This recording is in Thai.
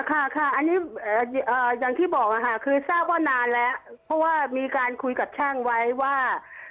ค่ะค่ะอันนี้อย่างที่บอกค่ะคือทราบว่านานแล้วเพราะว่ามีการคุยกับช่างไว้ว่า